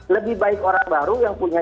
lebih baik orang baru yang punya